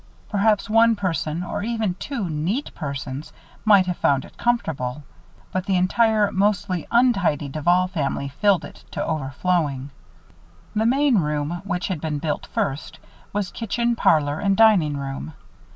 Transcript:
Perhaps one person or even two neat persons might have found it comfortable, but the entire, mostly untidy Duval family filled it to overflowing. The main room, which had been built first, was kitchen, parlor, and dining room.